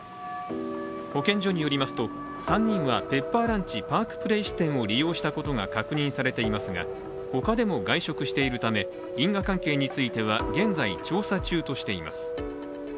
保健所によりますと３人はペッパーランチ・パークプレイスを使用したことが確認されていますが、他でも外食しているため因果関係については現在調査中としています。